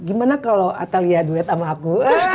gimana kalau atalia duet sama aku